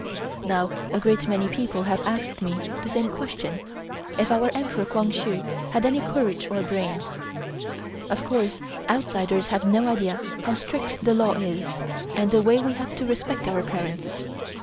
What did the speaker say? Now a great many people have asked me the same question, if our Emperor Kwang Hsu had any courage or brains. Of course outsiders have no idea how strict the law is, and the way we have to respect our parents.